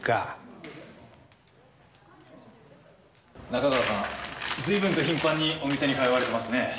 中川さん随分と頻繁にお店に通われてますね。